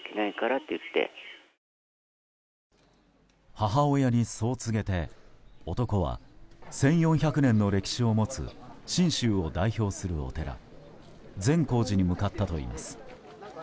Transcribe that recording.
母親にそう告げて男は１４００年の歴史を持つ信州を代表するお寺善光寺に向かったといいます。